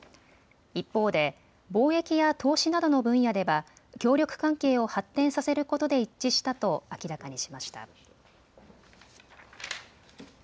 一方で貿易や投資などの分野では協力関係を発展させることで一致したと明らかにしました。